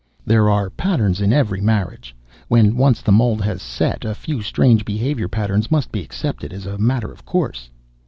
There are patterns in every marriage. When once the mold has set, a few strange behavior patterns must be accepted as a matter of course.